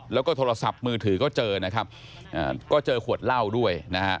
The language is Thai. แล้วก็โทรศัพท์มือถือก็เจอนะครับก็เจอขวดเหล้าด้วยนะฮะ